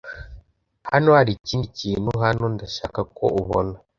Hano hari ikindi kintu hano ndashaka ko ubona.